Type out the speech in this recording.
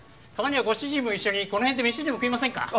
たまにはご主人も一緒にこの辺で飯でも食いませんか？